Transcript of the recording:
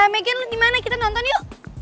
megan lu dimana kita nonton yuk